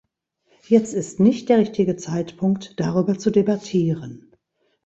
Jetzt ist nicht der richtige Zeitpunkt, darüber zu debattieren.